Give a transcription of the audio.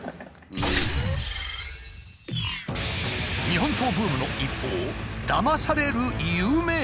日本刀ブームの一方だまされる有名人も。